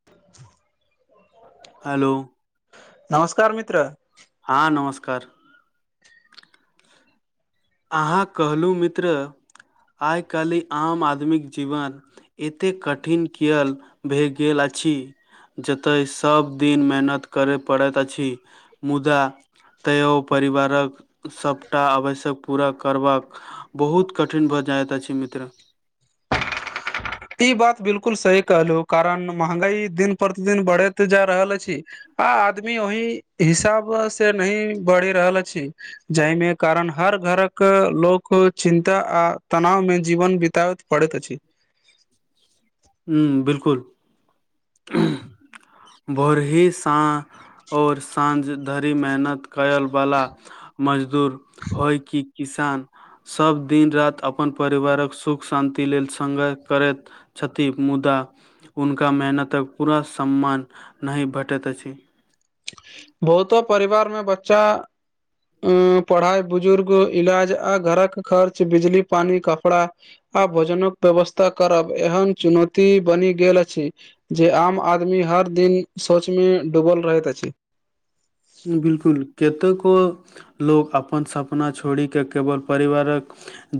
[inaudible] hello नमस्कार मित्र हँ नमस्कार अहाँ कहलहुँ मित्र आइ काल्हि आम आदमीक जीवन एतेक कठिन कयल भए गेल अछि जतय सबदिन मेहनत करय पड़ैत अछि मुदा तैयो परिवारक सभटा आवश्यक पूरा करबाक बहुत कठिन भऽ जाइत अछि मित्र ई बात बिलकुल सी कहलु कारण महंगाई दिन प्रतिदिन बढ़ैत जा रहल अछि आ आदमी ओहि हिसाब से नहि बढ़ि रहल अछि जाहि में कारण हर घरक लोक चिन्ता आ तनाव मे जीवन बीताब पढ़ैैत अछि हुँ बिलकुल भोरहि साँ ओर साँझ धरि मेहनत कयल वला मजदूर होय कि किसान सब दिन रात अपन परिवारक सुख शान्ति लेल संग्रह करैत छथि मुदा हुनका मेहनतक पूरा सम्मान नहि भेटैत अछि बहुतो परिवार में बच्चा अ पढ़ाई बुजुर्ग इलाज आ घरक खर्च बिजली पानी कपड़ा आ भोजनक व्यवस्था करब एहन चुनौती बनि गेल अछि जे आम आदमी हर दिन सोच में डूबल रहैत अछि बिलकुल कतेको लोक अपन सपना छोड़ि क केवल परिवारक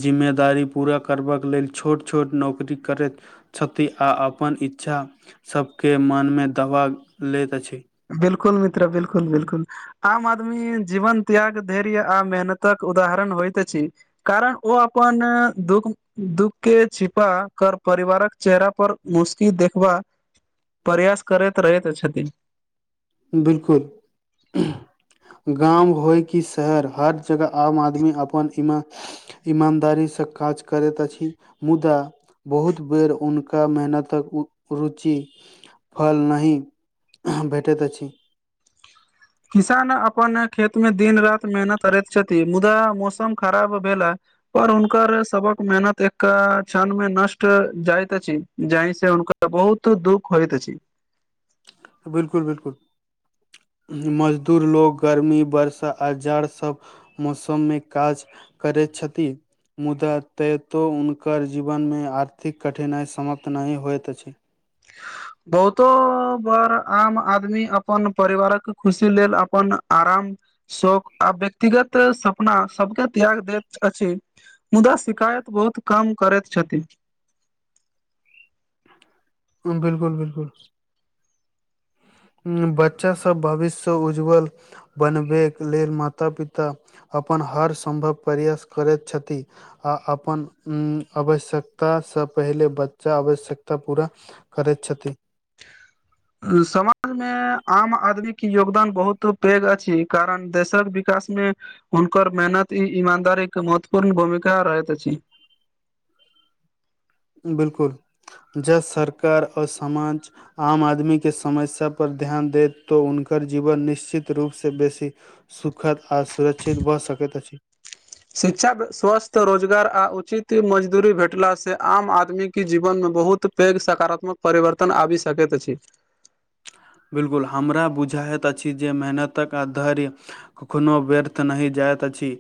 जिम्मेदारी पूरा करबाक लेल छोट छोट नौकरी करैत छति आ अपन इच्छासभके मनमे दबा लैत अछि बिलकुल मित्र बिलकुल बिलकुल आम आदमी जीवन त्याग धैर्य आ मेहनतक उदाहरण होइत अछि कारण ओ अपन दुःख दुःख के छिपा कर परिवारक चेहरा पर मुशकी देखबा प्रयास करैत रहैत छथि बिलकुल गाम होय कि शहर हर जगह आम आदमी अपन इममे ईमानदारीसँ काज करैत अछि मुदा बहुत बेर हुनका मेहनतक रुचि फल नहि भेटैत अछि किसान अपन खेत में दिन राति मेहनत करैत छथि मुदा मौसम खराब भेला पर हुनकर सबक मेहनत एक क्षण में नष्ट जाइत अछि जहि से हुनका तऽ बहुत दुःख होइत छी बिल्कुल बिलकुल मजदूर लोग गर्मी वर्षा आ जार सब मौसम में काज करैत छथि मुदा तयतो हुनकर जीवन में आर्थिक कठिनाई समाप्त नहि होइत अछि बहुतो बार आम आदमी अपन परिवारक खुशी लेल अपन आराम शौक आ व्यक्तिगत सपना सबके त्याग दैत अछि मुदा शिकायत बहुत कम करैत छथिन बिलकुल बिलकुल बच्चा सब भविष्य उज्जवल बनबैके लेल माता पिता अपन हर सम्भव प्रयास करैत छथि आ अपन आवश्यकतासँ पहिले बच्चा आवश्यकता पूरा करैत छथि समाज में आम आदमी के योगदान बहुत पैघ अछि कारण देशक विकास मे हुनकर मेहनत ई ईमानदारीक के महत्वपूर्ण भूमिका रहैत अछि बिल्कुल जब सरकार और समाज आम आदमी के समस्या पर ध्यान दे तो उनक जीवन निश्चित रूप से बेसी सुखद ओर सुरक्षित भऽ सकैत अछि शिक्षा स्वस्थ रोजगार आ उचित मजदूरी भेटलासँ आम आदमीके जीवन में बहुत पैघ सकारात्मक परिवर्तन आबि सकैत अछि बिल्कुल हमरा बुझाईत अछि जे मेहनतक आ धैर्य कखनो व्यर्थ नहि जाइत अछि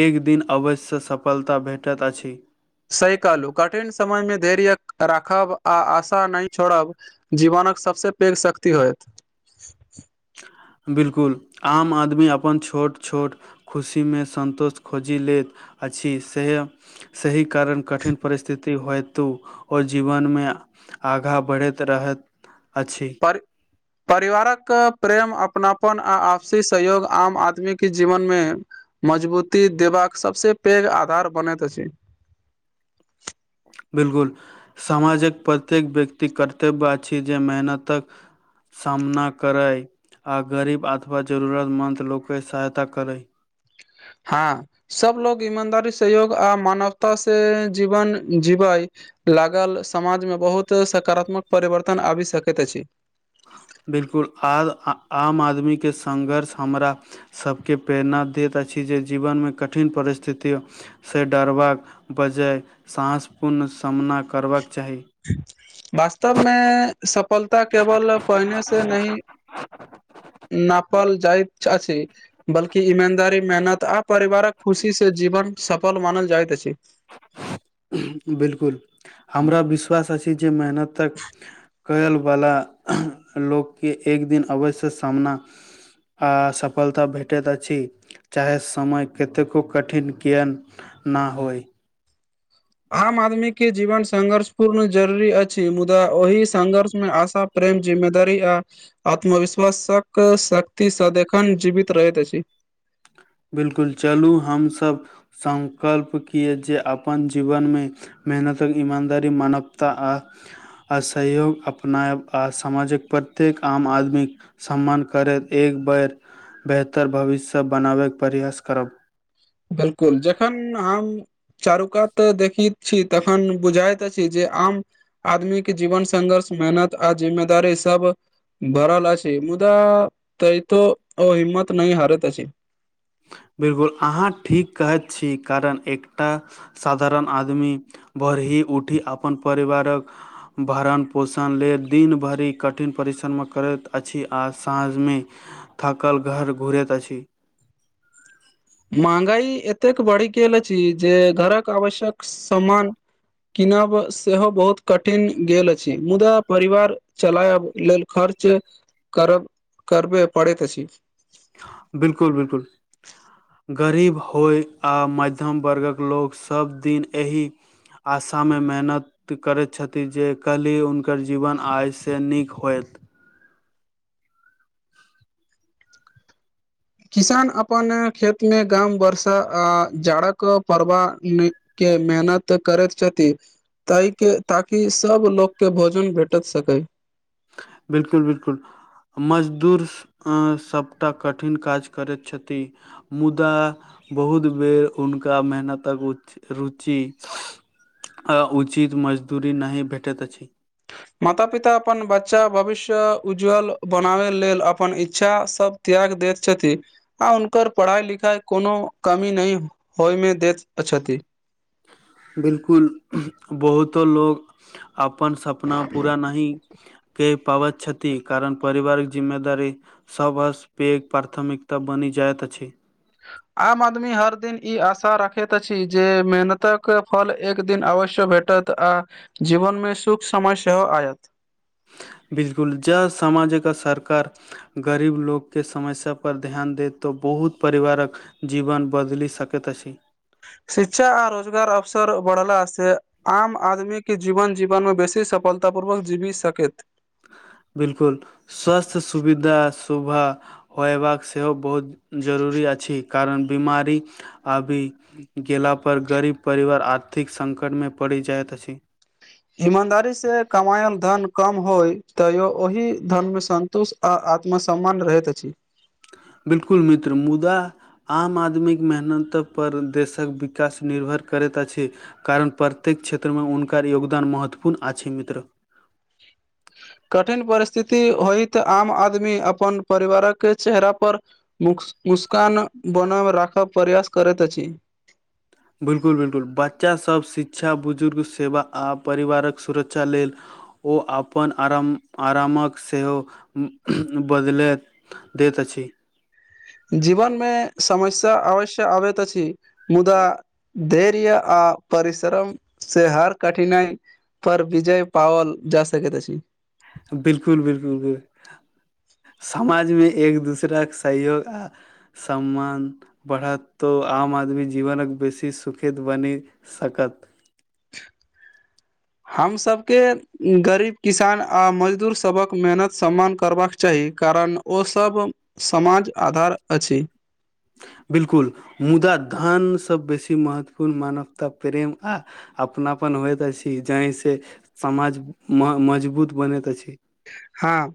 एक दिन अवश्यसँ सफलता भेटैत अछि सही कहलू कठिन समय में धैर्य राखब आ आशा नहि छोड़ब जीवनके सबसँ पैघ शक्ति होयत बिलकुल आम आदमी अपन छोट छोट खुशी में सन्तोष खोजि लैत अछि से सही कारण कठिन परिस्थिति हेतु ओ जीवन में आगाँ बढ़ैत रहैत अछि पर परिवारक प्रेम अपनापन आ आपसी सहयोग आम आदमी के जीवन में मजबूती देबाक सभसँ पैघ आधार बनैत अछि बिलकुल समाजक प्रत्येक व्यक्ति कर्तव्य अछि जे मेहनतक सामना करय आ गरीब अथवा जरूरतमन्द लोकके सहायता करय हँ सब लोग ईमानदारी सहयोग आ मानवता से जीवन जीवय लागल समाज में बहुत सकारात्मक परिवर्तन आबि सकैत अछि बिलकुल आज आम आदमीके सघर्ष हमरा सभके प्रेरणा दैत अछि जे जीवनमे कठिन परिस्थिति से डरबाक बजाय सासपूर्ण सामना करबाक चाही वास्तवमें सफलता केवल पहिने से नहि नेपाल जाइत अछि बल्कि ईमानदारी मेहनत आ परिवारक खुशी से जीवन सफल मानल जाइत अछि बिलकुल हमरा विश्वास अछि जे मेहनत तक कयलवला लोकके एक दिन अवयसँ सामना आ सफलता भेटैत अछि चाहे समय कतेको कठिन किएक नहि होय आम आदमीे के जीवन संघर्ष पूर्ण जरूरी अछि मुदा ओहि संघर्ष में आशा प्रेम जिम्मेदारी आ आत्मविश्वासक शक्ति स देखन जीवित रहैत अछि बिल्कुल चलू हमसभ सङकल्प किए जे अपन जीवन में मेहनतक इानदारी मानवता आ अ सहयोग अपनायब आ समाजक प्रत्येक आम आदमी सम्मान करैत एक बेर बेहतर भविष्य बनाबैके प्रयास करब बिल्कुल जेखन हम चारुकात देखित छी तन बुझाइत छी जे आम आदमीे जीवन संघर्ष मेहनत आर जिम्मेदारी सब भराल छै मुदा त तो ओ हिम्मत नहि हारैत अछि बिल्कुल अहाँ ठीक कहैत छी कारण एकटा साधारण आदमी भर ही उठी अपन परिवारक भरण पोषण लेल दिन भरि कठिन परिश्रममे करैत अछि आ साँझ में थाकल घर घुरैत अछी महंगाई एतेक बढ़ गेल अछि जे घरक आवश्यक सम्मान किनब सेहो बहुत कठिन गेल अछि मुदा परिवार चलायब लेल खर्च करब करबे पड़ैत अछि बिल्कुल बिलकुल गरीब होय आ मध्यम वर्गक लोक सभदिन ए आशा में मेहनत त करैत छथिन जे कहली हुनकर जीवन आईसँ नीक होयत किसान अपन खेत में गाम वरसा आ जाड़क पड़बा ई नहि के मेहनत करत छथि ताहि के ताकि सब लग के भोजन भेटत सकै बिलकुल बिलकुल मजदूर सभटा कठिन काज करैत छथि मुदा बहुत बेर हुनका मेहनतक र रुचि आ उचित मजदूरी नहि भेटैत अछि माता पिता अपन बच्चा भविष्य उज्ज्वल बनाबय लेल अपन इच्छास सब त्याग द छथि आ हुनकर पढ़ाइ लिखाइ कोनो कमी नहि होइमे दैत छथि बिलकुल बहुतो लोग अपन सपना पूरा नहीं कऽ पाब छती कारण परिवारिक जिम्मेदारी सभसँ पैघ प्राथमिकता बनि जाइत अछि आम आदमी हर दिन ई आशा राखैत अछि जे मेहनतक फल एक दिन अवश्य भेटै टत आ जीवन मे सुख समय सेहो आयत बिलकुल जा समाजक सरकार गरीब लोकके समस्यापर ध्यान दत तऽ बहुत परिवारक जीवन बदलि सकैत अछि शिक्षा आ रोजगार अवसर बढ़लास से आम आदमी के जीवन जीवन में बेसी सफलता पूर्वक जीवी सकैत बिल्कुल स्वास्थ सुविधा सुभा होयबाक सेहो बहुत जरूरी अछि कारण बिमारी अभी गेला पर गरीब परिवार आर्थिक संकट मे पड़ि जाइत अछि ईमानदारी से कमायल धन कम होय तैयो ओहि धन में संन्तुष्ट आ आत्म समम्मान रहैत अछि बिल्कुल मित्र मुदा आम आदमीक मेहनतपर देशक विकास निर्भर करैत अछि कारण प्रत्येक क्षेत्रमें हुनकर योगदान महत्वपूर्ण अछि मित्र कठिन परिस्थिति होइत आम आदमी अपन परिवारक चेहरा पर मुक मुस्कान बनब राखब प्रयास करैत अछि बिल्कुल बिल्कुल बच्चासब शिक्षा बुजुर्ग सेवा आ परिवारक सुरक्षा लेल ओ आपन आराम आरामक सेहो बदलैत देत अछि जीवन में समस्या अवश्य आबैत अछि मुदा धैर्य आ परिश्रम से हर कठिनाइ पर विजय पओल जा सकेै अछि बिल्कुल बिल्कुल बि समाज में एक दूसराके सहयोग आ सम्मान बढ़त तो आम आदमी जीवनक बेसी सुखेद बनी सकत हमसभके गरीब किसान आ मजदूर सबक मेहनत सम्मान करबाक चाही कारण ओसभ समाज आधार अछि बिल्कुल मुदा धान सब बेसी महत्वपूर्ण मानवता प्रेम आ अपनापन होइत अछि जहिसँ समाज मजबूत बनैत अछि हँ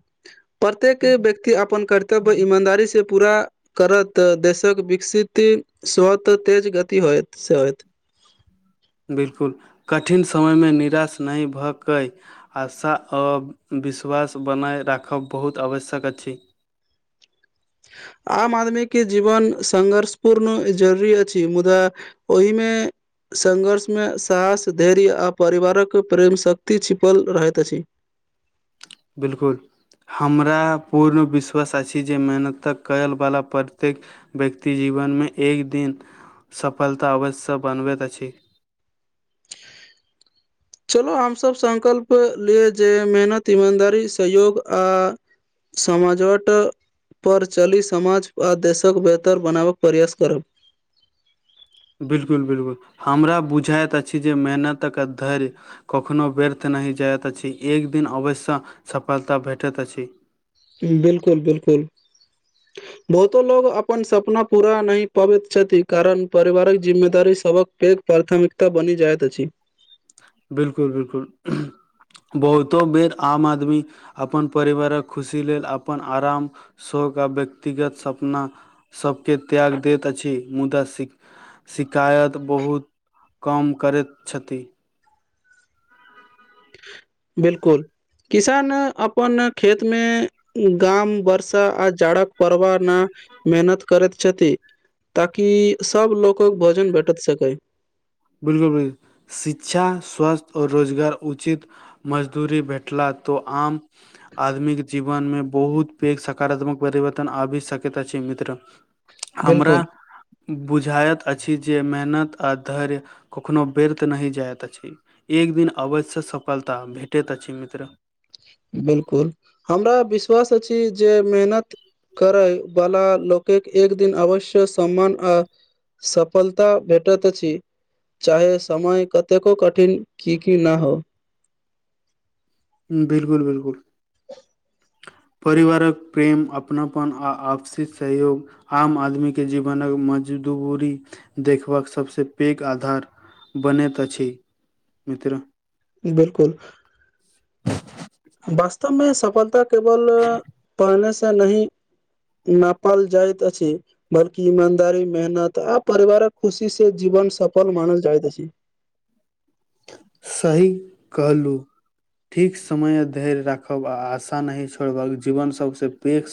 प्रत्येक व्यक्ति अपन कर्तव्य ईमानदारी से पूरा करत देशक विकसित स्वतः तेज गति होएत से होयत बिल्कुल कठिन समयमे निराश नहि भऽ कय आशा आ विश्वास बनाय राखब बहुत आवश्यक अछि आम आदमी के जीवन संघर्ष पूर्ण जरुररी अछि मुदा ओहिमे संघर्ष में साहस धैर्य आ परिवारक प्रेमशक्ति छिपल रहैत अछि बिल्कुल हमरा पूर्ण विश्वास अछि जे मेहनतक कयलवला प्रत्येक व्यक्ति जीवनमे एक दिन सफलता अवश्य बनबैत अछि चलो हमसभ संकल्प लिय जे मेहनत ईमानदारी सहयोग आ समाजट पर चलि समाज आ देशक बेहतर बनाबक प्रयास करब बिल्कुल बिल्कुल हमरा बुझाइत अछि जे मेहनतक धैर कखनो व्यर्थ नहि जाइत अछि एक दिन आवश्य सफलता भेटैत अछि हम बिल्कुल बिल्कुल [inaudible] बहुतो लोग अपन सपना पूरा नहि पबैत छथि कारण पारिवारिक जिम्मेदारी सभक पैघ प्राथमिकता बनी जाइत अछि बिल्कुल बिल्कुल बहुतो बेर आम आदमी अपन परिवारक खुशी लेल अपन आराम शोक आ व्यक्तिगत सपना सबके त्याग दैत अछि मुदा शि शिकायत बहुत कम करैत छथि बिलकुल किसान अपन खेतमे गाम वर्षा आ जाड़क पडबा न मेहनत करैत छथि ताकि सभ लोक भोजन भेटत सकै बिलकुल ब शिक्षा स्वास्थ्य और रोजगार उचित मजदूरी भेटला तो आम आदमीके जीवन मे बहुत पैघ सकारात्मक परिवर्तन आबि सकैत अछि मित्र बिलकुल हमरा बुझाइत अछि जे मेहनत आ धैर्य कखनो बेर्थ नहि जाइत अछि एक दिन अबैत्यसँ सफलता भेटैत अछि मित्र बिल्कुल हमरा विश्वास अछि जे मेहनत करै बला लोकके एक दिन अवश्य सम्मान आ सफलता भेटत अछि चाहे समय कतेको कठिन किकि न हो हम बिल्कुल बिल्कुल परिवारक प्रेम अपनापन आ आपसी सहयोग आम आदमीके जीवनक मजदूरी देखबाक सभसँ पैघ आधार बनैत अछि मित्र बिलकुल वास्तवमे सफलता केवल पढ़ने से नहि नापल जाइत अछि बल्कि ईमानदारी मेहनत आ परिवारक खुशी से जीवन सफल मानल जाइत अछि सही कहलु ठीक समय आ धैर्य राखब आ आशा नी छोड़बक जीवन सबसँ प